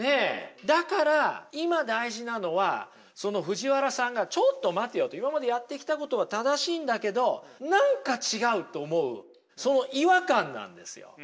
だから今大事なのはその藤原さんがちょっと待てよと今までやってきたことは正しいんだけど何か違うと思うその違和感。